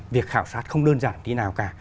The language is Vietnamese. việc khảo sát không đơn giản như thế nào cả